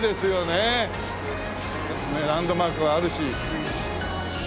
ねっランドマークはあるし。